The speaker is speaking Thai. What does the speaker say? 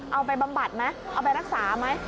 บำบัดไหมเอาไปรักษาไหม